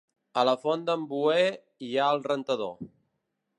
A la Font d'en Bouer hi ha el Rentador.